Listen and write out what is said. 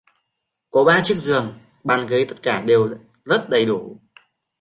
Có ba chiếc giường, bàn ghế tất cả đều rất đầy đủ